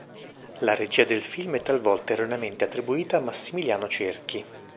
La regia del film è talvolta erroneamente attribuita a Massimiliano Cerchi.